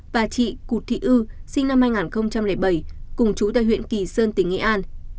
và chị cụt thị ư sinh năm hai nghìn bảy cùng chú tại huyện kỳ sơn tỉnh nghệ an